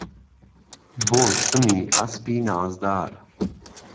بۆ سمی ئهسپی نازدار